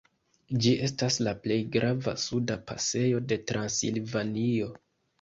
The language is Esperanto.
Ĝi estas la plej grava suda pasejo de Transilvanio.